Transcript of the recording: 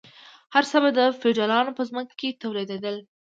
هر څه به د فیوډالانو په ځمکو کې تولیدیدل.